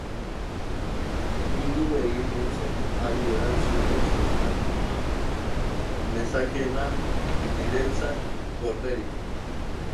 Mindu egin nintzen, hari erantzunez esan nezakeena niretzat gorderik.